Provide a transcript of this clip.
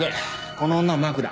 この女をマークだ。